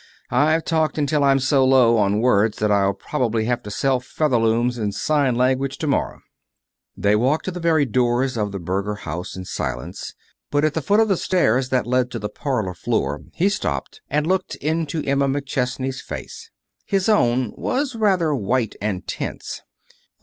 I've talked until I'm so low on words that I'll probably have to sell featherlooms in sign language to morrow." They walked to the very doors of the Berger House in silence. But at the foot of the stairs that led to the parlor floor he stopped, and looked into Emma McChesney's face. His own was rather white and tense.